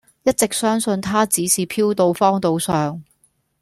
一直相信他只是飄到荒島上